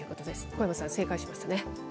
小山さん、正解しましたね。